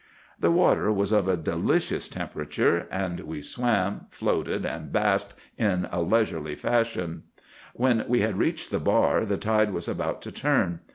"The water was of a delicious temperature; and we swam, floated, and basked in a leisurely fashion. When we had reached the bar the tide was about to turn.